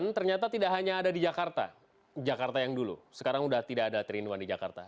ternyata tidak hanya ada di jakarta di jakarta yang dulu sekarang sudah tidak ada terebuan di jakarta